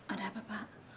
ada apa pak